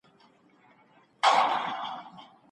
پرتله کول یوازي ستاسي وخت ضایع کوي.